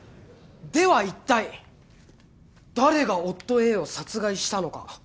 ではいったい誰が夫Ａを殺害したのか？